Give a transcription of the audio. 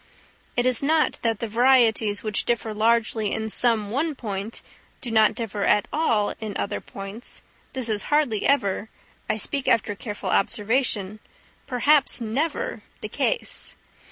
It is not that the varieties which differ largely in some one point do not differ at all in other points; this is hardly ever—I speak after careful observation—perhaps never, the case.